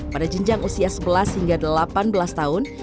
pada jenjang usia sebelas hingga delapan belas tahun